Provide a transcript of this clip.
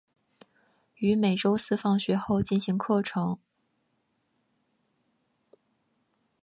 于每周四放学后进行课程。